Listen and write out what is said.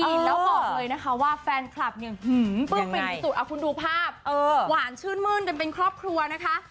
แล้วบอกเลยนะคะว่าแฟนคลับเนี้ยหืมผมไปสุดเอาคุณดูภาพเออหวานชื่นมืนกันเป็นครอบครัวนะคะ